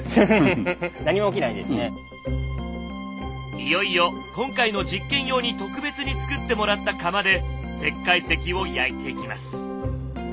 いよいよ今回の実験用に特別に作ってもらった窯で石灰石を焼いていきます。